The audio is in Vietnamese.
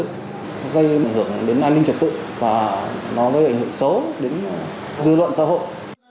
gây ảnh hưởng đến an ninh trật tự và nó gây ảnh hưởng xấu đến dư luận xã hội